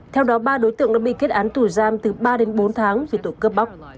theo đó ba đối tượng đã bị kết án tù giam từ ba đến bốn tháng vì tội cướp bóc